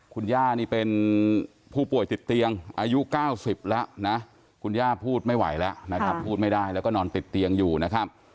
คุณย่านี่เป็นผู้ป่วยติดเตียงอายุ๙๐แล้วนะคุณย่าพูดไม่ไหวแล้วนะครับพูดไม่ได้แล้วก็นอนติดเตียงอยู่นะครับ